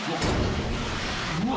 うわ。